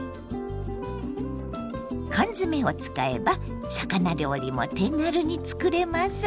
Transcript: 缶詰を使えば魚料理も手軽に作れます。